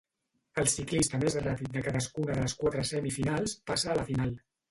El ciclista més ràpid de cadascuna de les quatre semifinals passa a la final.